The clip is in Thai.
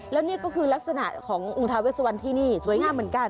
แล้วนี่ก็คือลักษณะขององค์ทาเวสวันที่นี่สวยงามเหมือนกัน